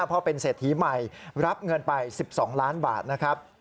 เพราะเป็นเศรษฐีใหม่รับเงินไป๑๒ล้านบาทนะครับ